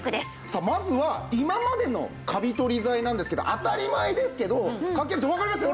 さあまずは今までのカビ取り剤なんですけど当たり前ですけどかけるとわかります？